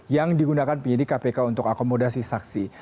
yang digunakan penyidik kpk untuk akomodasi saksi